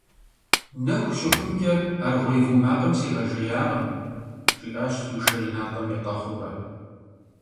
- Нэху щыхункӏэ аргъуей ву макъым сигъэжеякъым, - жиӏащ Лушэ и натӏэм етӏэхъуурэ.